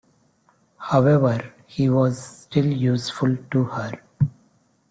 However, he was still useful to her.